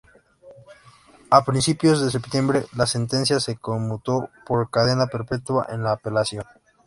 A principios de septiembre, la sentencia se conmutó por cadena perpetua en la apelación.